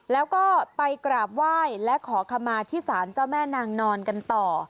แล้วก็ไปกราบไหว้และขอขมาที่ศาลเจ้าแม่นางนอนกันต่อ